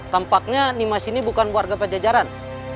tampaknya nimas ini bukan warga pajajaran